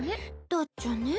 だっちゃねぇ。